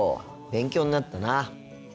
勉強になったな。